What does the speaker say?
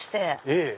ええ。